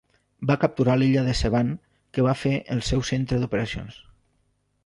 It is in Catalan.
Va capturar l'illa de Sevan que va fer el seu centre d'operacions.